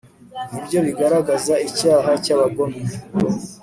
ni byo bigaragaza icyaha cy'abagome